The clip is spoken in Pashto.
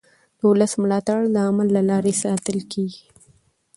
د ولس ملاتړ د عمل له لارې ساتل کېږي